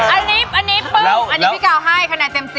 อันนี้พี่ก้าวให้ขนาดเต็ม๑๐